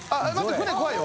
舟怖いよ。